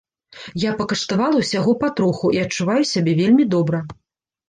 Я пакаштавала ўсяго патроху і адчуваю сябе вельмі добра.